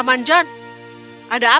paman john ada apa